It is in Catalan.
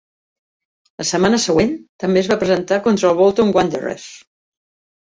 La setmana següent, també es va presentar contra els Bolton Wanderers.